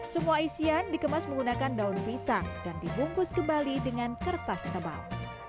semua isian dikemas menggunakan daun pisang dan dibungkus kembali dengan kertas tebal